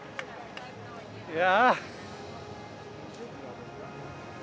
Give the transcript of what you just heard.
いや。